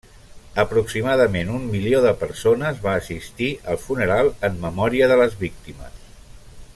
Aproximadament un milió de persones va assistir al funeral en memòria de les víctimes.